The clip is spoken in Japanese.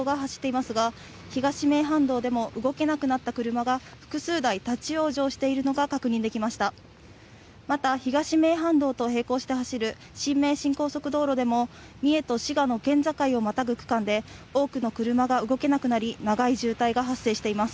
また、東名阪道と並行して走る新名神高速道路でも三重と滋賀の県境をまたぐ区間で多くの車が動けなくなり長い渋滞が発生しています。